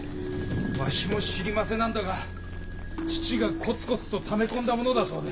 わしも知りませなんだが父がコツコツとため込んだものだそうで。